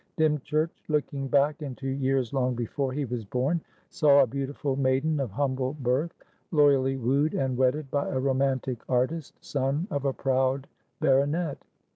Dymchurch, looking back into years long before he was born, saw a beautiful maiden of humble birth loyally wooed and wedded by a romantic artist, son of a proud baronet.